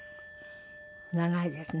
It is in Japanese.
長いですね。